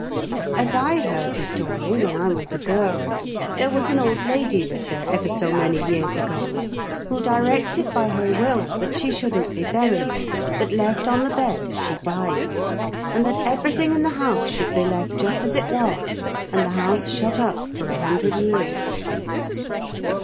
As I heard the story when I was a girl, there was an old lady lived there ever so many years ago, who directed by her will that she shouldn't be buried, but left on the bed as she died, and that everything in the house should be left just as it was, and the house shut up for a hundred years."